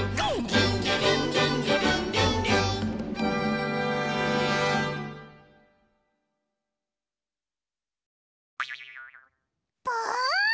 「リンリリンリンリリンリンリン」ぽう！